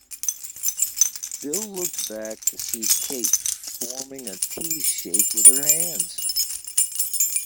Bill looked back to see Kate forming a T-shape with her hands.